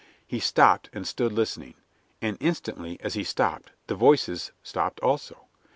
He stopped and stood listening, and instantly, as he stopped, the voices stopped also.